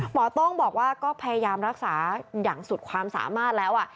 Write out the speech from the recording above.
โต้งบอกว่าก็พยายามรักษาอย่างสุดความสามารถแล้ว